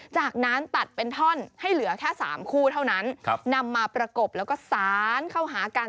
จากนั้นตัดเป็นท่อนให้เหลือแค่๓คู่เท่านั้นนำมาประกบแล้วก็สารเข้าหากัน